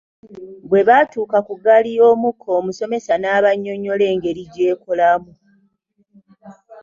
Bwe baatuuka ku ggaali y’omukka omusomesa n'abannyonnyola engeri gy'ekolamu.